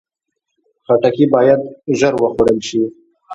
خټکی باید ژر وخوړل شي.